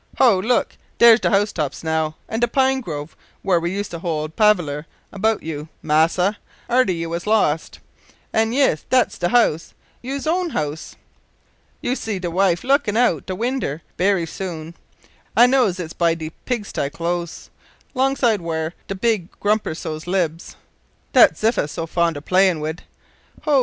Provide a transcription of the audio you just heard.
Ho! look; dar's de house tops now; an' the pine grove whar' we was use to hold palaver 'bout you, Massa, arter you was lost; an' yis dat's de house yous own house. You see de wife lookin' out o' winder bery soon. I knows it by de pig sty close 'longside whar' de big grumper sow libs, dat Ziffa's so fond o' playin' wid. Ho!